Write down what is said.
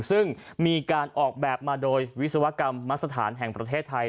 ซึ่งมีการออกแบบมาโดยวิศวกรรมมสถานแห่งประเทศไทย